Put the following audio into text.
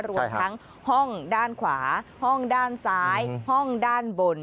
รวมทั้งห้องด้านขวาห้องด้านซ้ายห้องด้านบน